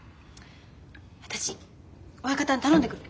私親方に頼んでくる。